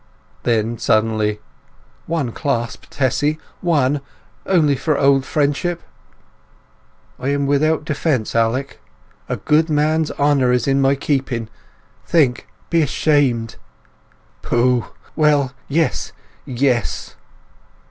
Then, suddenly: "One clasp, Tessy—one! Only for old friendship—" "I am without defence. Alec! A good man's honour is in my keeping—think—be ashamed!" "Pooh! Well, yes—yes!"